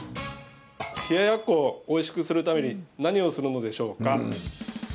冷ややっこをおいしくするために何をするのでしょうか？